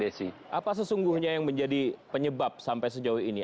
desi apa sesungguhnya yang menjadi penyebab sampai sejauh ini